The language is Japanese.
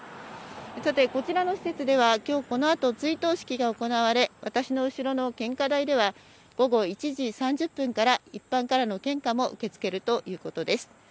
さて、こちらの施設ではきょう、このあと追悼式が行われ、私の後ろの献花台では、午後１時３０分から、一般からの献花も受け付けるということです。